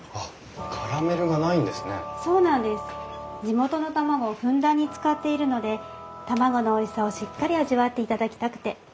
地元の卵をふんだんに使っているので卵のおいしさをしっかり味わっていただきたくて。